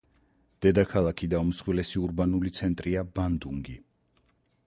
დედაქალაქი და უმსხვილესი ურბანული ცენტრია ბანდუნგი.